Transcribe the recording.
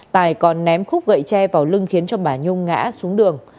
tài còn ném khúc gậy tre vào lưng khiến cho bà nhung ngã xuống đường